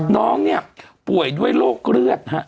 น้องเนี่ยป่วยด้วยโรคเลือดฮะ